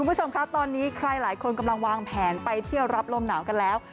คุณผู้ชมคะตอนนี้ใครหลายคนกำลังวางแผนไปเที่ยวรับลมหนาวกันแล้ว